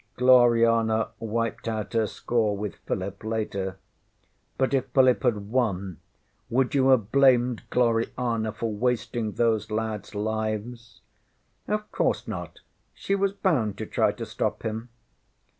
ŌĆÖ ŌĆśGloriana wiped out her score with Philip later. But if Philip had won, would you have blamed Gloriana for wasting those ladsŌĆÖ lives? ŌĆÖ ŌĆśOf course not. She was bound to try to stop him.